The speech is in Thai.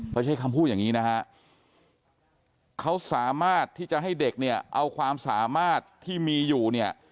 เขาใช้คำพูดอย่างนี้นะฮะเขาสามารถที่จะให้เด็กเนี่ยเอาความสามารถที่มีอยู่เนี่ย